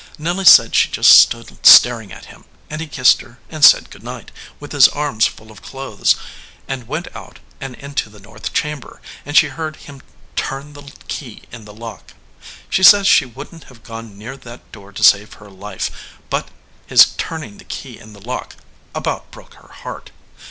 "Nelly said she just stood staring at him, and he kissed her and said good night, with his arms full of clothes, and went out and into the north chamber, and she heard him turn the key in the lock. She says she wouldn t have gone near that door to save her life, but his turning the key in the lock about broke her heart.